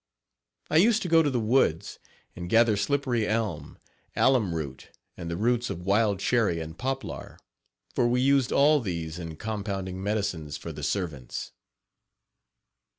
I used to go to the woods and gather slippery elm, alum root and the roots of wild cherry and poplar, for we used all these in compounding medicines for the servants.